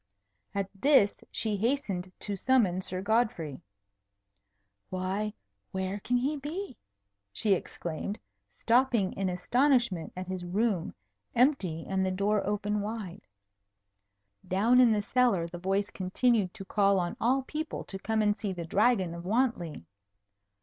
At this she hastened to summon Sir Godfrey. "Why, where can he be?" she exclaimed, stopping in astonishment at his room, empty and the door open wide. Down in the cellar the voice continued to call on all people to come and see the Dragon of Wantley.